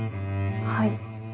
はい。